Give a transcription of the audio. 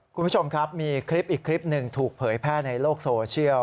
คุณผู้ชมครับมีคลิปอีกคลิปหนึ่งถูกเผยแพร่ในโลกโซเชียล